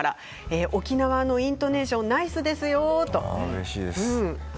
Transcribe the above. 沖縄のイントネーションナイスです。